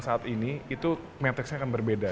saat ini itu metexnya akan berbeda